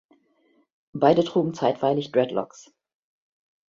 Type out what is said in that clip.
Beide trugen zeitweilig Dreadlocks.